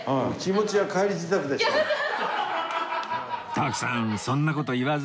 徳さんそんな事言わずに